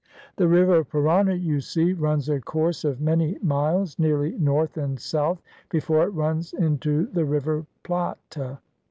"The river Parana, you see, runs a course of many miles nearly north and south before it runs into the river Plate.